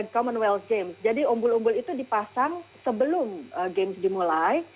commonwealth games jadi umbul umbul itu dipasang sebelum games dimulai